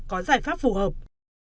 có giải pháp phù hợp